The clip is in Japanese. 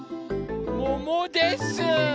ももです！